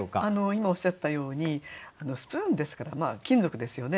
今おっしゃったようにスプーンですから金属ですよね。